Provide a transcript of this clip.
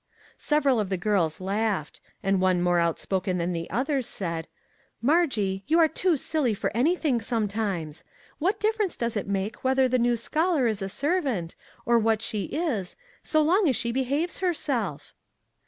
Several of the girls laughed ; and one more outspoken than the others, said " Margie, you are too silly for anything, sometimes! What difference does it make whether the new scholar is a servant, or what she is, so long as she behaves herself?